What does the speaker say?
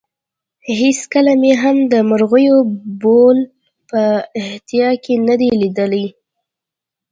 هېڅکله مې هم د مرغیو بول په احاطه کې نه دي لیدلي.